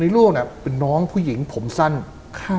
ในรูปเนี่ยเป็นน้องผู้หญิงผมสั้นค่ะ